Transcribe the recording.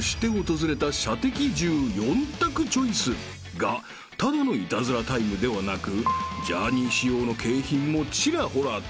［がただのイタズラタイムではなくジャーニー仕様の景品もちらほらと］